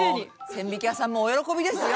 千疋屋さんもお喜びですよ